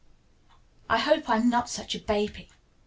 I hope I'm not such a baby.